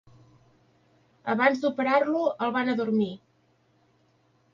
Abans d'operar-lo el van adormir.